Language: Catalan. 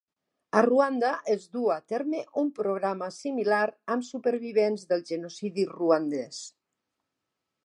A Ruanda, es duu a terme un programa similar amb supervivents del genocidi ruandès.